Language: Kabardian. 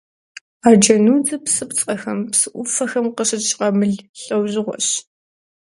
Арджэнудзыр псыпцӏэхэм, псы ӏуфэхэм къыщыкӏ къамыл лӏэужьыгъуэщ.